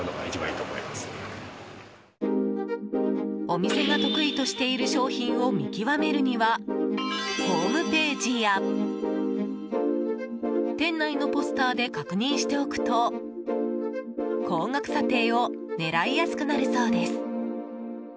お店が得意としている商品を見極めるにはホームページや店内のポスターで確認しておくと高額査定を狙いやすくなるそうです。